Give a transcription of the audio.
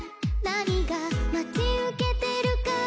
「何が待ち受けてるか」